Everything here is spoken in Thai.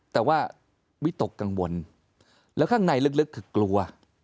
แต่ว่าวิตกกังวลแล้วข้างในลึกคือกลัว